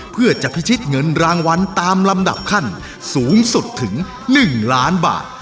เพื่อจะพิชิตเงินรางวัลตามลำดับขั้นสูงสุดถึง๑ล้านบาท